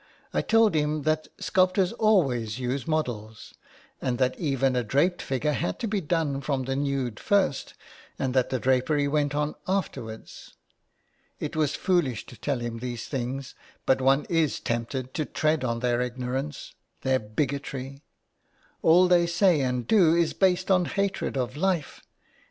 I told him that sculptors always used models, and that even a draped figure had to be done from the nude first, and that the drapery went on after wards. It was foolish to tell him these things, but one IS tempted to tread on their ignorance, their bigotry ; all they say and do is based on hatred of life.